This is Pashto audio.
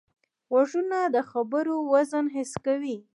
غوږونه د خبرو وزن حس کوي